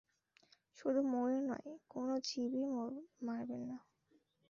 শুধু ময়ূর নয়, কোনও জীবই মারবেন না!